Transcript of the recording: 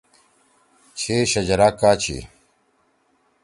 چھی شجرا کا چھی؟